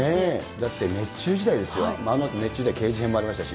だって熱中時代ですよ、あのあと熱中時代刑事編もありましたし。